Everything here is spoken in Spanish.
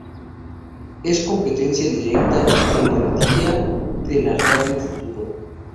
Es competencia directa en el dial de la radio Futuro.